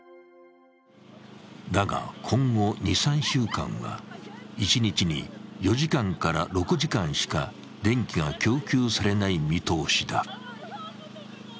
だが今後２３週間は一日に４時間から６時間しか電気が供給されない見通しだ。